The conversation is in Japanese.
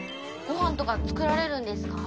ご飯とか作られるんですか？